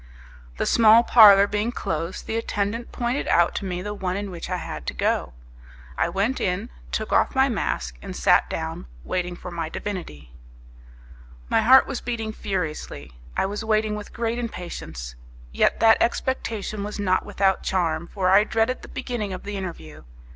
The small parlour being closed, the attendant pointed out to me the one in which I had to go. I went in, took off my mask, and sat down waiting for my divinity. My heart was beating furiously; I was waiting with great impatience; yet that expectation was not without charm, for I dreaded the beginning of the interview.